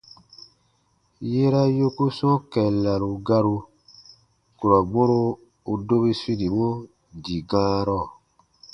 Yera yoku sɔ̃ɔ kɛllaru garu, kurɔ mɔro u dobi sunimɔ dii gãarɔ.